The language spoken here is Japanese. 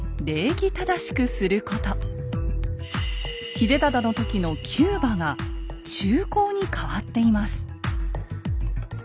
秀忠の時の「弓馬」が「忠孝」に変わっています。